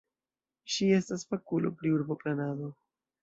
Ŝi estas fakulo pri urboplanado.